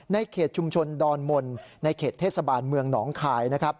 ในเขตชุมชนดอนมนต์ในเขตเทศบาลเมืองหนองคายนะครับ